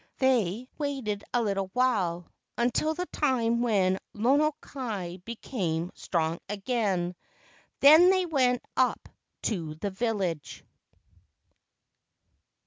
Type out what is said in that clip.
" They waited a little while, until the time when Lono kai became strong again. Then they went up to the village.